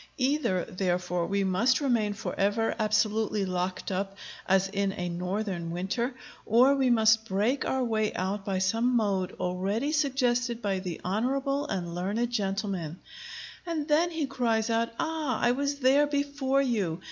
Either, therefore, we must remain forever absolutely locked up as in a northern winter, or we must break our way out by some mode already suggested by the honorable and learned gentleman; and then he cries out, "Ah, I was there before you!